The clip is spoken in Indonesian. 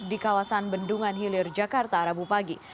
di kawasan bendungan hilir jakarta rabu pagi